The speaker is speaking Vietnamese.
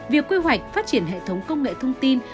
việc quy hoạch phát triển hệ thống công nghệ thông tin